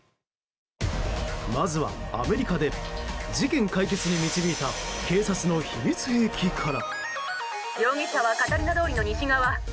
まずは、アメリカで事件解決に導いた警察の秘密兵器から。